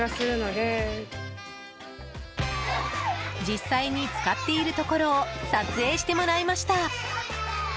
実際に使っているところを撮影してもらいました。